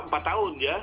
empat tahun ya